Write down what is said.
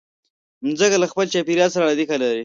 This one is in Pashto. مځکه له خپل چاپېریال سره اړیکه لري.